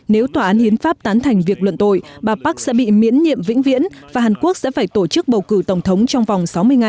nếu tòa án hiến pháp tán thành việc luận tội bà park sẽ bị miễn nhiệm vĩnh viễn và hàn quốc sẽ phải tổ chức bầu cử tổng thống trong vòng sáu mươi ngày